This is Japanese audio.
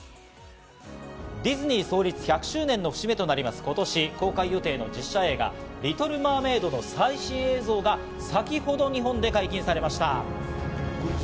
ディズニー創立１００周年の節目となります、今年公開予定の実写映画『リトル・マーメイド』の最新映像が先ほど日本で解禁されました。